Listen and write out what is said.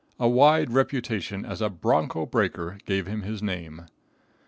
A wide reputation as a "broncho breaker" gave him his name.